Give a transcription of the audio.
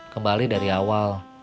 kembali dari awal